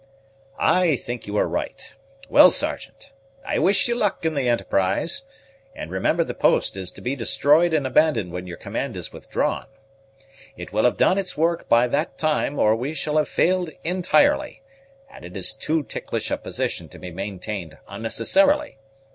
"I think you are right. Well, Sergeant, I wish you good luck in the enterprise; and remember the post is to be destroyed and abandoned when your command is withdrawn. It will have done its work by that time, or we shall have failed entirely, and it is too ticklish a position to be maintained unnecessarily.